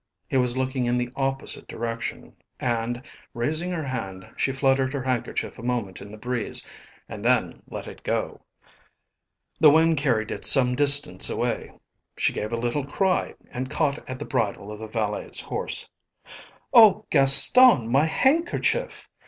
He was looking in the opposite direction, and, raising her hand, she fluttered her handkerchief a moment in the breeze and then let it go. The wind carried it some distance away. She gave a little cry and caught at the bridle of the valet's horse. "Oh, Gaston, my handkerchief!"